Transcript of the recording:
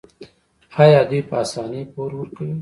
آیا دوی په اسانۍ پور ورکوي؟